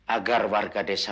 agar warga desa